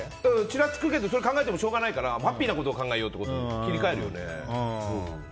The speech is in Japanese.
ちらつくけど考えてもしょうがないからハッピーなことを考えようって切り替えるよね。